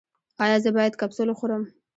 ایا زه باید کپسول وخورم؟